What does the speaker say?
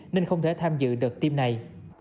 nên không thể tham dự đợt tiêm này